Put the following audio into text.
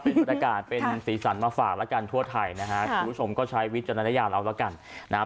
เป็นบรรยากาศเป็นสีสันมาฝากแล้วกันทั่วไทยนะฮะคุณผู้ชมก็ใช้วิจารณญาณเอาแล้วกันนะครับ